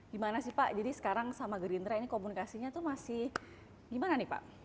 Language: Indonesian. gimana sih pak jadi sekarang sama gerindra ini komunikasinya tuh masih gimana nih pak